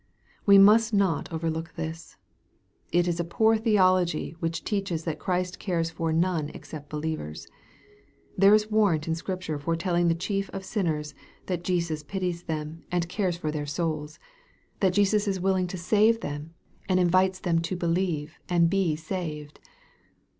We must not overlook this. It is a poor theology which teaches that Christ cares for none except believers. There is war rant in Scripture for telling the chief of sinners, that Jesus pities them, and cares for their souls, that Jesus is 126 EXPOSITORY THOUGHTS. willing to save them, and invites them to believe and be saved.